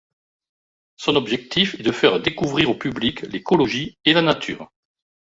Son objectif est de faire découvrir au public l'écologie et la nature.